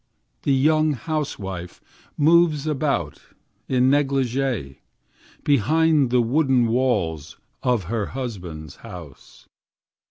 the young housewife moves about in negligee behind the wooden walls of her husband's house.